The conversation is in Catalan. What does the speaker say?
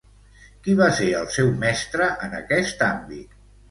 Qui va ser el seu mestre en aquest àmbit?